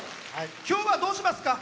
今日は、どうしますか？